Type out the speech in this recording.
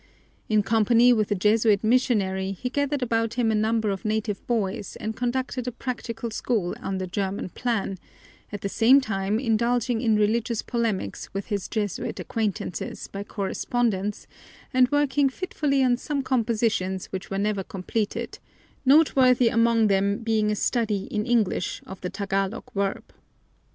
In company with a Jesuit missionary he gathered about him a number of native boys and conducted a practical school on the German plan, at the same time indulging in religious polemics with his Jesuit acquaintances by correspondence and working fitfully on some compositions which were never completed, noteworthy among them being a study in English of the Tagalog verb.